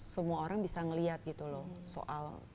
semua orang bisa melihat gitu loh soal